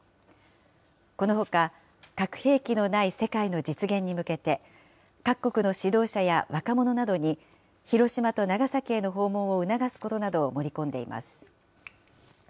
このほか、核兵器のない世界の実現に向けて、各国の指導者や若者などに広島と長崎への訪問を促すことなどを盛り込んでいます。